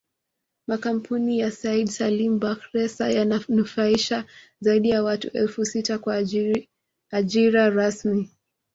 Makampuni ya Said Salim Bakhresa yananufaisha zaidi ya watu elfu sita kwa ajira rasmi